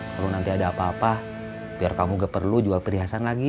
kalau nanti ada apa apa biar kamu gak perlu jual perhiasan lagi